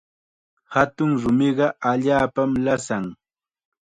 Hatun rumiqa allaapam lasan.